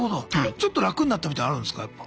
ちょっと楽になったみたいのあるんすかやっぱ。